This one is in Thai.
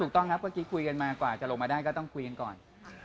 ถูกต้องครับเมื่อกี้คุยกันมากว่าจะลงมาได้ก็ต้องคุยกันก่อน